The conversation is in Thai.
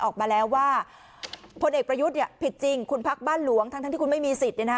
ออกมาแล้วว่าพลเอกประยุทธ์ผิดจริงคุณพักบ้านหลวงทั้งที่คุณไม่มีสิทธิ์